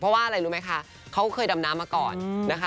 เพราะว่าอะไรรู้ไหมคะเขาเคยดำน้ำมาก่อนนะคะ